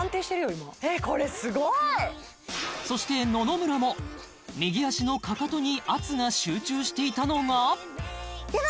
今えっこれスゴーいそして野々村も右足のかかとに圧が集中していたのがでは